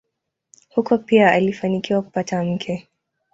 Huko pia alifanikiwa kupata mke.